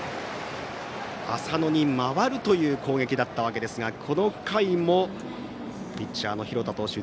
浅野に回るという攻撃だったわけですがこの回もピッチャーの廣田投手